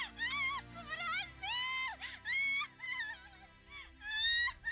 kita mau ngapain sih